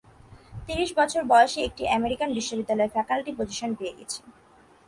ত্রিশ বছর বয়সে একটি আমেরিকান বিশ্ববিদ্যালয়ে ফ্যাকান্টি পজিশন পেয়ে গেছি!